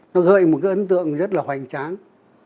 nó gợi một cái ấn tượng rất là hoành tráng